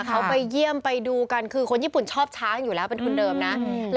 เขาไปเยี่ยมไปดูกันคือคนญี่ปุ่นชอบช้างอยู่แล้วเป็นคนเดิมนะ